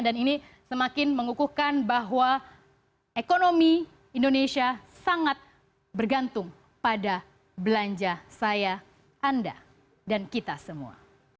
dan ini semakin mengukuhkan bahwa ekonomi indonesia sangat bergantung pada belanja saya anda dan kita semua